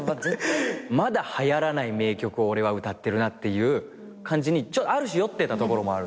まだはやらない名曲を俺は歌ってるなっていう感じにある種酔ってたところもある。